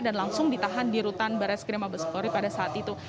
dan langsung ditahan di rutan baris krimabes polri pada saat itu